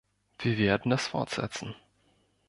Wir werden das fortsetzen.